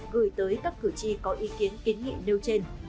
gửi tới các cử tri có ý kiến kiến nghị nêu trên